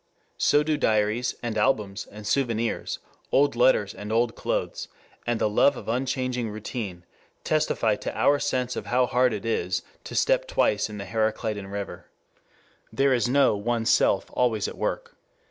So do diaries, and albums, and souvenirs, old letters, and old clothes, and the love of unchanging routine testify to our sense of how hard it is to step twice in the Heraclitan river. There is no one self always at work.